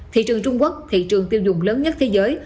thị trường trung quốc thị trường tiêu dùng lớn nhất thế giới